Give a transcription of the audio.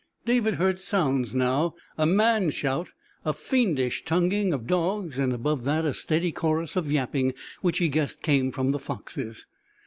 David heard sounds now: a man's shout, a fiendish tonguing of dogs, and above that a steady chorus of yapping which he guessed came from the foxes.